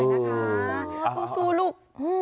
ชิคกี้พายดูลูก